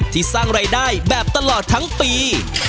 สร้างรายได้แบบตลอดทั้งปี